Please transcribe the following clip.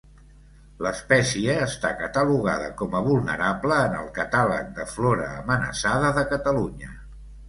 L'espècie està catalogada com a vulnerable en el Catàleg de flora amenaçada de Catalunya.